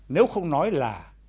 nếu không nói là